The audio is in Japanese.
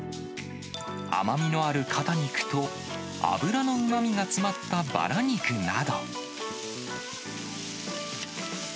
甘みのある肩肉と、脂のうまみが詰まったばら肉など。